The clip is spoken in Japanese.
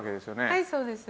はいそうです。